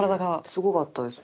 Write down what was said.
すごかったですよ。